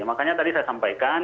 makanya tadi saya sampaikan